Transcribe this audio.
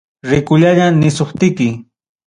Rikullaña nisuptiki.